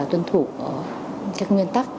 tuân thủ các nguyên tắc